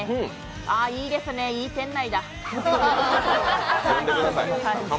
あいいですね、いい店内だ。